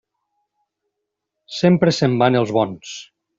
Sempre se'n van els bons.